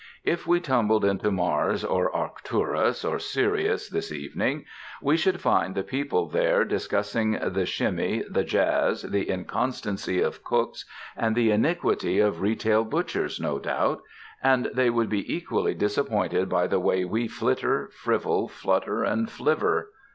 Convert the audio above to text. If we tumbled into Mars or Arcturus or Sirius this evening we should find the people there discussing the shimmy, the jazz, the inconstancy of cooks and the iniquity of retail butchers, no doubt ... and they would be equally disappointed by the way we flitter, frivol, flutter and flivver.